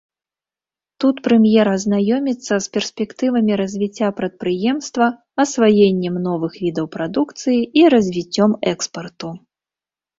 Тут прэм'ер азнаёміцца з перспектывамі развіцця прадпрыемства, асваеннем новых відаў прадукцыі і развіццём экспарту.